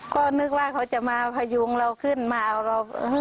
ก็นึกว่าเขาจะมาพยุงเราขึ้นมาเอาเรา